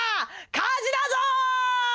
火事だぞー！